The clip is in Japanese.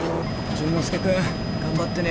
淳之介君頑張ってね